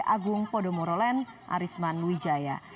direktur pt agung podomoro len arisman wijaya